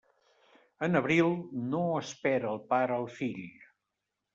En abril, no espera el pare al fill.